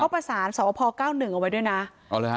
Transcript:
เข้าประสานสอบพเก้าหนึ่งเอาไว้ด้วยนะอ๋อเลยฮะ